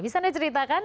bisa anda ceritakan